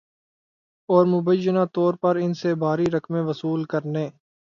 اور مبینہ طور پر ان سے بھاری رقمیں وصول کرنے